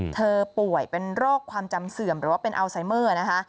ป่วยเป็นโรคความจำเสื่อมหรือว่าเป็นอัลไซเมอร์นะคะ